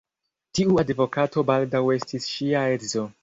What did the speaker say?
Tiu advokato baldaŭ estis ŝia edzo.